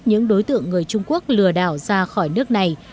những đối tượng người trung quốc lừa đảo ra khỏi nước này